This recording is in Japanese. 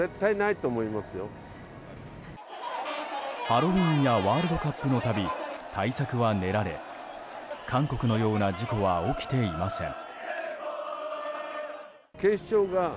ハロウィーンやワールドカップの度対策は練られ韓国のような事故は起きていません。